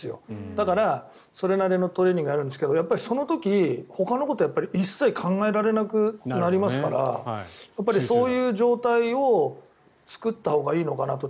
だから、それなりのトレーニングをやるんですけどその時ほかのことを一切考えられなくなりますからやっぱり、そういう状態を作ったほうがいいのかなと。